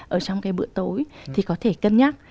ở trong cái bữa tối thì có thể cân nhắc